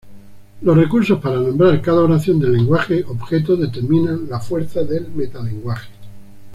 Los recursos para nombrar cada oración del lenguaje objeto determinan la fuerza del metalenguaje.